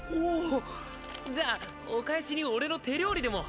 じゃお返しに俺の手料理でも。